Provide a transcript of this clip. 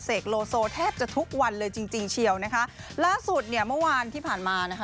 โลโซแทบจะทุกวันเลยจริงจริงเชียวนะคะล่าสุดเนี่ยเมื่อวานที่ผ่านมานะคะ